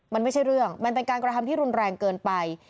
มันไม่ใช่เรื่องมันเป็นการกระทำที่รุนแรงเกินไป